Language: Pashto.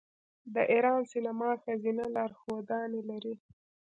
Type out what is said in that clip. د ایران سینما ښځینه لارښودانې لري.